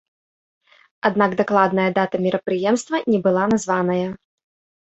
Аднак дакладная дата мерапрыемства не была названая.